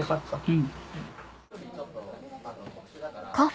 うん。